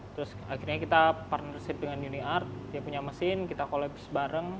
terus akhirnya kita partnership dengan uni art dia punya mesin kita collapse bareng